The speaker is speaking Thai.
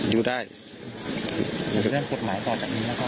ยืดได้อยากเริ่มกฎหมายก่อนจากนี้แล้วก็